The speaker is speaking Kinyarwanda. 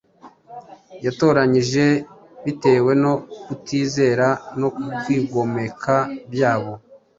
yatoranyije bitewe no kutizera no kwigomeka byabo